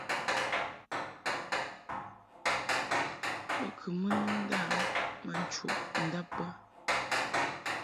Bo kɨ mɨ ni nda ma nchudab bə.